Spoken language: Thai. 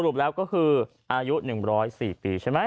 ปแล้วก็คืออายุ๑๐๔ปีใช่ไหม